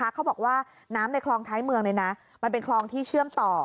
เขาบอกว่าน้ำในคลองท้ายเมืองมันเป็นคลองที่เชื่อมต่อ